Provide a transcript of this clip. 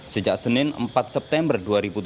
sejak senin empat september dua ribu tujuh belas